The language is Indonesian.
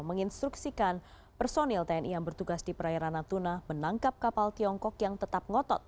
menginstruksikan personil tni yang bertugas di perairan natuna menangkap kapal tiongkok yang tetap ngotot